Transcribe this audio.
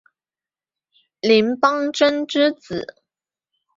林邦桢之子。